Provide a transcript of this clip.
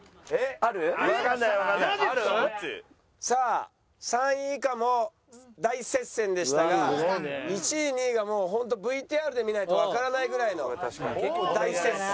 さあ３位以下も大接戦でしたが１位２位がもうホントＶＴＲで見ないとわからないぐらいの大接戦。